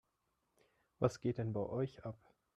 Was geht denn bei euch ab?